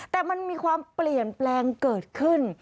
แต่มันมีความเปลี่ยนแปลงเกิดขึ้น